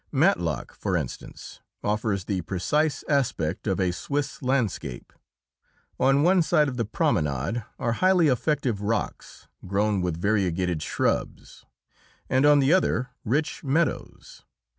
Matlock, for instance, offers the precise aspect of a Swiss landscape. On one side of the promenade are highly effective rocks, grown with variegated shrubs, and on the other rich meadows.